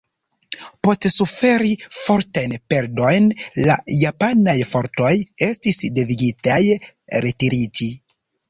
Post suferi fortajn perdojn, la japanaj fortoj estis devigitaj retiriĝi.